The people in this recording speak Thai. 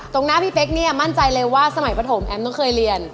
ตรงหน้าพี่เป๊กเนี่ยมั่นใจเลยว่าสมัยปฐมแอมต้องเคยเรียน